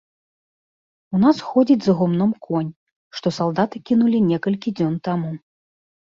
У нас ходзіць за гумном конь, што салдаты кінулі некалькі дзён таму.